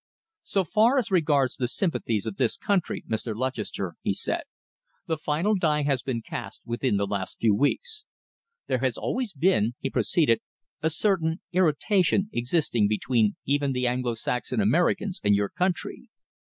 "So far as regards the sympathies of this country, Mr. Lutchester," he said, "the final die has been cast within the last few weeks. There has always been," he proceeded, "a certain irritation existing between even the Anglo Saxon Americans and your country.